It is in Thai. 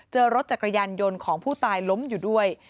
เจอรถจักรยานยนต์ของผู้ตายล้มอยู่ด้วย